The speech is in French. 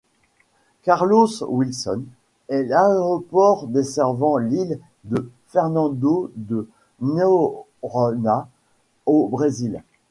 Carlos Wilson est l'aéroport desservant l'île de Fernando de Noronha, au Brésil.